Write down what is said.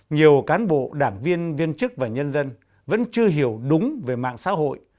nhiều cán bộ đảng viên viên chức và nhân dân vẫn chưa hiểu đúng về mạng xã hội